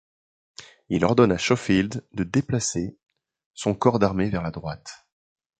Il ordonne à Schofield de déplacer, son corps d'armée vers la droite.